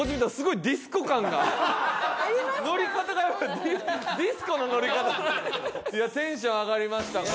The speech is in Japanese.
いやテンション上がりました。